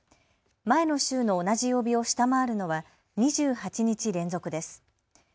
前の週の同じ曜日を下回るのは２８日連続です。